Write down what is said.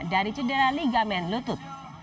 dari cedera ligamen lutut